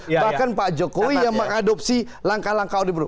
bahkan pak jokowi yang mengadopsi langkah langkah orde baru